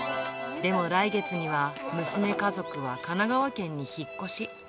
でも来月には、娘家族は神奈川県に引っ越し。